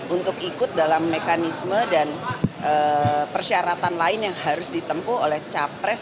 untuk ikut dalam mekanisme dan persyaratan lain yang harus ditempuh oleh capres